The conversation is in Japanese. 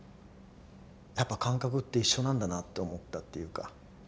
やっぱ感覚って一緒なんだなって思ったっていうか。